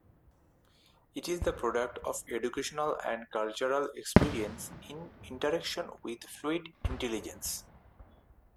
It is the product of educational and cultural experience in interaction with fluid intelligence.